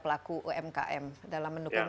pelaku umkm dalam mendukung